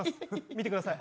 見てください。